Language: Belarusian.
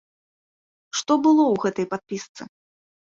Што было ў гэтай падпісцы?